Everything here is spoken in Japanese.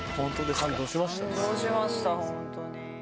感動しました、本当に。